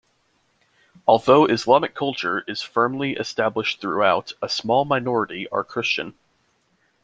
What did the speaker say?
Although Islamic culture is firmly established throughout, a small minority are Christian.